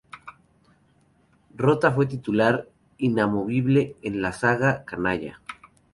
Rota fue titular inamovible en la zaga "canalla".